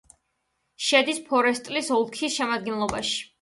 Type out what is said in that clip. შედის ფორესტის ოლქის შემადგენლობაში.